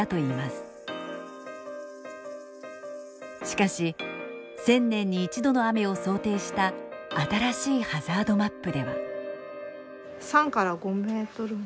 しかし１０００年に１度の雨を想定した新しいハザードマップでは。